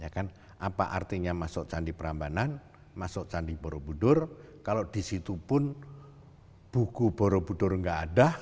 ya kan apa artinya masuk candi prambanan masuk candi borobudur kalau di situ pun buku borobudur enggak ada